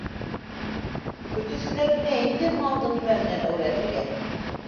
- Көтөүселәр белә инде малды нимә менән әүрәтергә.